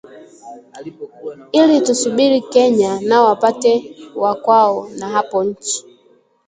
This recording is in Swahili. ili tusubiri Kenya nao wapate wa kwao na hapo nchi